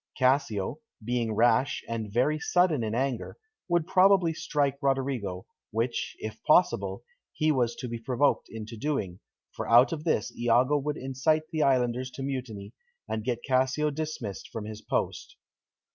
Cassio, being rash, and very sudden in anger, would probably strike Roderigo, which, if possible, he was to be provoked into doing, for out of this Iago would incite the islanders to mutiny, and get Cassio dismissed from his post.